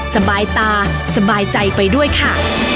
สบายตาสบายใจไปด้วยค่ะ